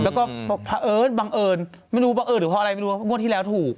แล้วก็พระเอิญบังเอิญไม่รู้บังเอิญหรือเพราะอะไรไม่รู้งวดที่แล้วถูก